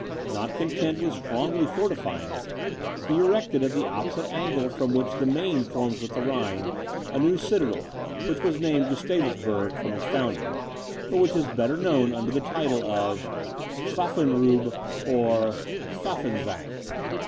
Not content with strongly fortifying it, he erected at the opposite angle which the Maine forms with the Rhine, a new citadel, which was named Gustavusburg from its founder, but which is better known under the title of Pfaffenraub or Pfaffenzwang.